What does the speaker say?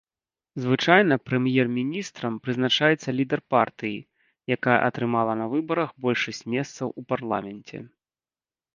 Звычайна прэм'ер-міністрам прызначаецца лідар партыі, якая атрымала на выбарах большасць месцаў у парламенце.